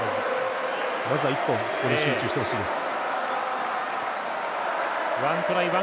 まずは１本ここに集中してほしいです。